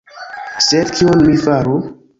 Sed, kion mi faru?